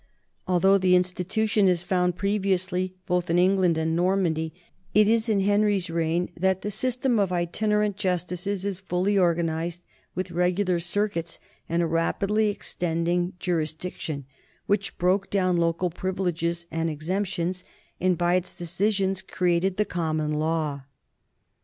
Although the institution is found previously both in England and Normandy, it is in Henry's reign that the system of itinerant justices is fully organized with regular circuits and a rapidly ex tending jurisdiction which broke down local privileges and exemptions and by its decisions created the common law.